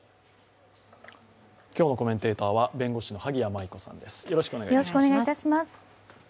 今日のコメンテーターは弁護士の萩谷麻衣子さんです。